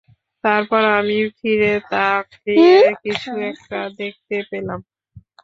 তারপর আমি ফিরে তাকিয়ে কিছু একটা দেখতে পেলাম।